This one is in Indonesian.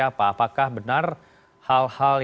apa apakah benar hal hal